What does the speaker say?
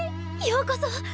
ようこそ！